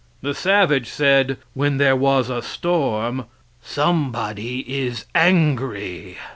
The savage said, when there was a storm, "Somebody is angry."